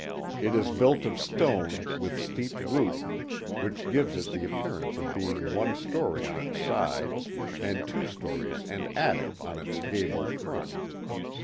It is built of stone, with steep roof, which gives it the appearance of being one story on its sides and two stories and attic on its gable front.